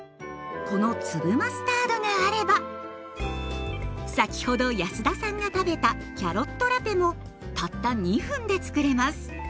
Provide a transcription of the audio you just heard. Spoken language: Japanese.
この粒マスタードがあれば先ほど安田さんが食べたキャロットラペもたった２分でつくれます。